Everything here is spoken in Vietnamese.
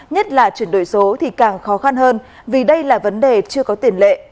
nhất là chuyển đổi số thì càng khó khăn hơn vì đây là vấn đề chưa có tiền lệ